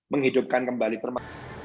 menghidupkan kembali termasuk